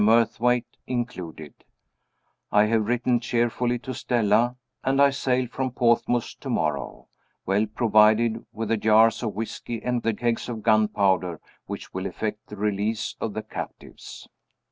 Murthwaite included); I have written cheerfully to Stella; and I sail from Portsmouth to morrow, well provided with the jars of whisky and the kegs of gunpowder which will effect the release of the captives.